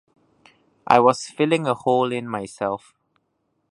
I was filling a hole in myself.